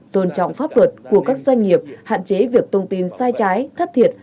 tôn trọng pháp luật của các doanh nghiệp hạn chế việc thông tin sai trái thất thiệt